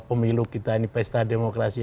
pemilu kita ini pesta demokrasi